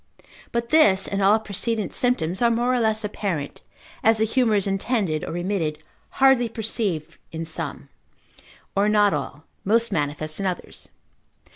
But this, and all precedent symptoms, are more or less apparent, as the humour is intended or remitted, hardly perceived in some, or not all, most manifest in others.